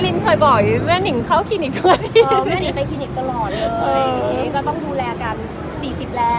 เพียงแต่หลังจากหายป่วยเนี้ย